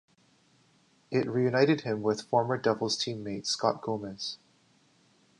It reunited him with former Devils teammate Scott Gomez.